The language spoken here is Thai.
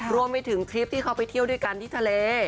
รวมไปถึงคลิปที่เขาไปเที่ยวด้วยกันที่ทะเล